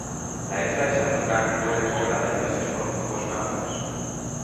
La isla de Xaltocan fue repoblada entonces por grupos nahuas.